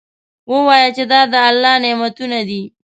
ووایه چې دا د الله نعمتونه دي.